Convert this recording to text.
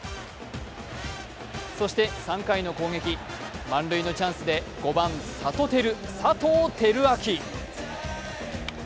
そして３回の攻撃、満塁のチャンスで５番・サトテル、佐藤輝明。